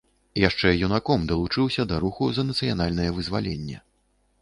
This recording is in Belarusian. Яшчэ юнаком далучыўся да руху за нацыянальнае вызваленне.